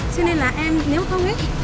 cho nên là em nếu không